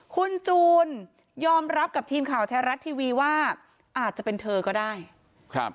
คุณจูนยอมรับกับทีมข่าวแท้รัฐทีวีว่าอาจจะเป็นเธอก็ได้ครับ